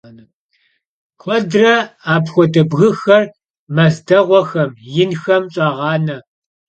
Kuedre apxuede bgıxer mez değuexem, yinxem ş'ağane.